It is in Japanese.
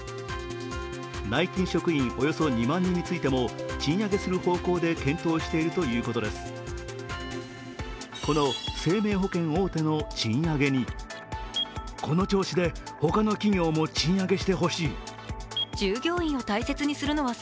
内勤職員およそ２万人についても賃上げする方向で検討しているということです。